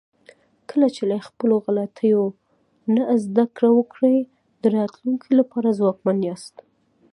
کله چې له خپلو غلطیو نه زده کړه وکړئ، د راتلونکي لپاره ځواکمن یاست.